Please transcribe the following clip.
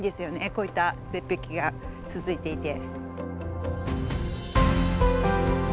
こういった絶壁が続いていて。